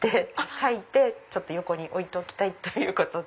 描いて横に置いておきたいということで。